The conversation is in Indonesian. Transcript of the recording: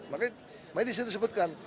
makanya saya disitu sebutkan